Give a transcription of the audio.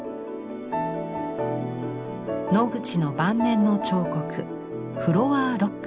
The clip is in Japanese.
ノグチの晩年の彫刻「フロアーロック」。